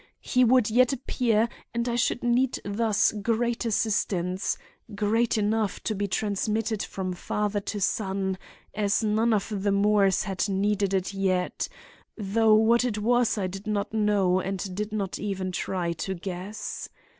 He would yet appear and I should need thus great assistance (great enough to be transmitted from father to son) as none of the Moores had needed it yet; though what it was I did not know and did not even try to guess.